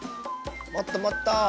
もっともっと。